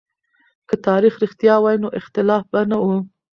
که تاريخ رښتيا وای نو اختلاف به نه و.